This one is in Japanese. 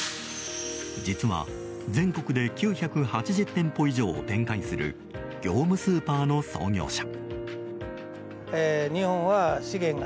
実は全国で９８０店舗以上を展開する業務スーパーの創業者。